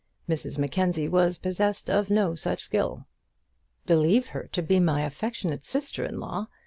Mrs Mackenzie was possessed of no such skill. "Believe her to be my affectionate sister in law!